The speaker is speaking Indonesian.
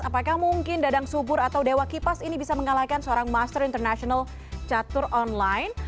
apakah mungkin dadang subur atau dewa kipas ini bisa mengalahkan seorang master international catur online